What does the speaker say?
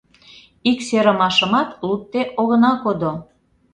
— Ик серымашымат лудде огына кодо!